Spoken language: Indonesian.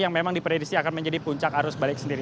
yang memang diprediksi akan menjadi puncak arus balik sendiri